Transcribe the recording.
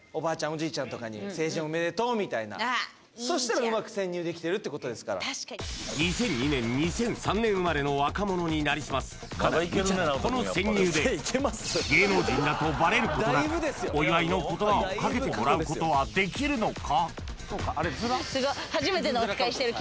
おじいちゃんとかに成人おめでとうみたいなあっいいじゃんそしたらうまく潜入できてるってことですから２００２年２００３年生まれの若者になりすますかなりむちゃなこの潜入で芸能人だとバレることなくお祝いの言葉をかけてもらうことはできるのか！？